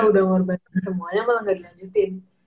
udah korban semuanya malah gak dilanjutin